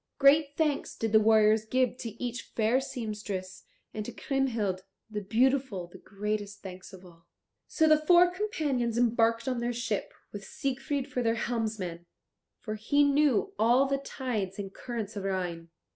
Great thanks did the warriors give to each fair seamstress, and to Kriemhild the beautiful the greatest thanks of all. So the four companions embarked on their ship, with Siegfried for their helmsman, for he knew all the tides and currents of Rhine.